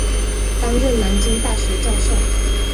担任南京大学教授。